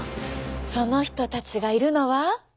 その人たちがいるのは。